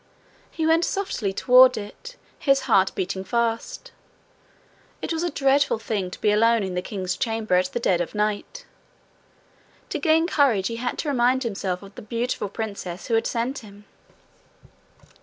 He went softly toward it, his heart beating fast. It was a dreadful thing to be alone in the king's chamber at the dead of night. To gain courage he had to remind himself of the beautiful princess who had sent him.